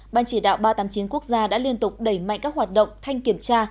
ban chỉ đạo ba trăm tám mươi chín quốc gia đã liên tục đẩy mạnh các hoạt động thanh kiểm tra